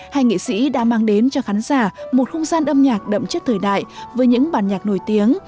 hai nghệ sĩ đã mang đến cho khán giả một không gian âm nhạc đậm chất thời đại với những bản nhạc nổi tiếng